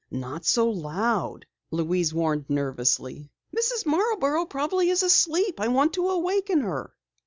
"Not so loud," Louise warned nervously. "Mrs. Marborough probably is asleep. I want to awaken her."